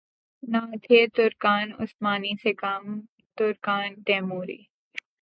نہ تھے ترکان عثمانی سے کم ترکان تیموری